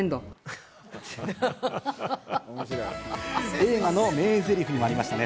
映画の名セリフにもありましたね。